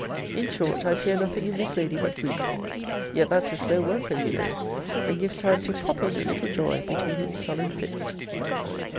In short, I fear nothing in this lady but grief: yet that's a slow worker, you know; and gives time to pop in a little joy between its sullen fits.